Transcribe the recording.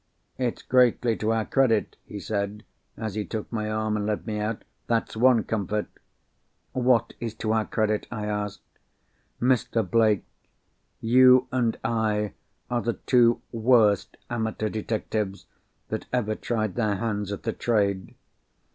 "It's greatly to our credit," he said, as he took my arm, and led me out—"that's one comfort!" "What is to our credit?" I asked. "Mr. Blake! you and I are the two worst amateur detectives that ever tried their hands at the trade.